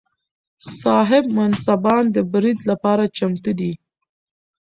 صاحب منصبان د برید لپاره چمتو دي.